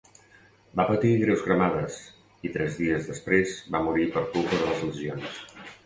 Va patir greus cremades i, tres dies després, va morir per culpa de les lesions.